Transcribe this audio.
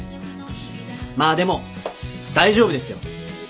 まあでも大丈夫ですよ。